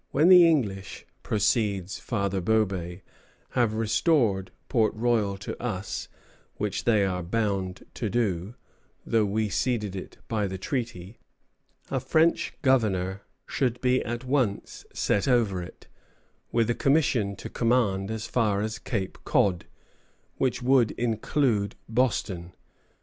When the English, proceeds Father Bobé, have restored Port Royal to us, which they are bound to do, though we ceded it by the treaty, a French governor should be at once set over it, with a commission to command as far as Cape Cod, which would include Boston.